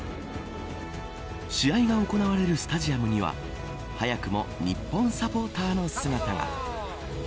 試合が行われるスタジアムには早くも日本サポーターの姿が。